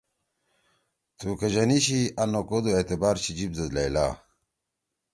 تُو کژنی چھی آ نہ کودُو اعتبار چھی جیِب زید لئیلا